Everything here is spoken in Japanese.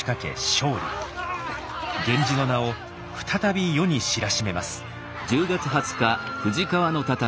源氏の名を再び世に知らしめます。